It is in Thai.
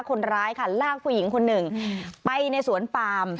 คนร้ายค่ะลากผู้หญิงคนหนึ่งไปในสวนปาม